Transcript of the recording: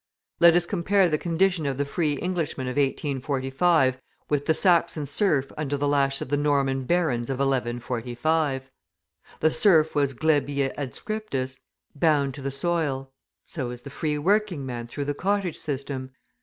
Let us compare the condition of the free Englishman of 1845 with the Saxon serf under the lash of the Norman barons of 1145. The serf was glebae adscriptus, bound to the soil, so is the free working man through the cottage system.